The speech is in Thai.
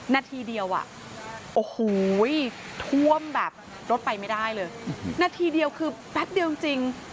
นาทีเดียวอ่ะโอ้โหท่วมแบบรถไปไม่ได้เลยนาทีเดียวคือแป๊บเดียวจริง